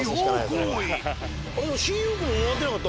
新大久保も回ってなかった？